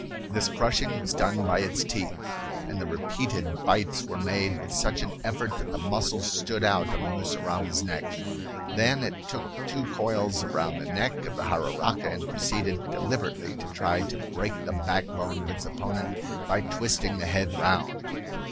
This crushing was done by its teeth; and the repeated bites were made with such effort that the muscles stood out on the mussurama's neck. Then it took two coils round the neck of the jararaca and proceeded deliberately to try to break the backbone of its opponent by twisting the head round.